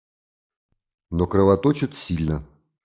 Но кровоточит сильно.